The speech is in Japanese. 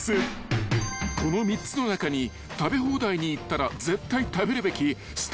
［この３つの中に食べ放題に行ったら絶対食べるべきすた